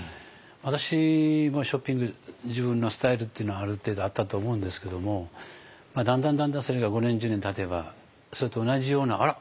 私もショッピング自分のスタイルっていうのはある程度あったと思うんですけどもだんだんだんだんそれが５年１０年たてばそれと同じようなあら？